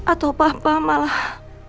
atau bapak malah